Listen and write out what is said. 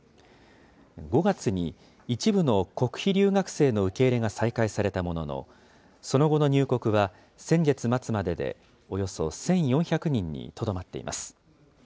５月に一部の国費留学生の受け入れが再開されたものの、その後の入国は先月末まででおよそ１４００人にとどまっています。